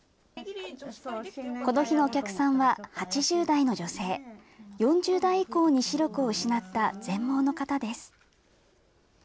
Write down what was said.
この日のお客さんは８０代の女性、４０代以降に視力を失った全盲の方です。